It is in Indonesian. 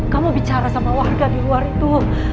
kamu bicara sama warga di luar itu